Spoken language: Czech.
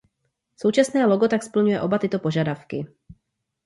Současné logo tak splňuje oba tyto požadavky.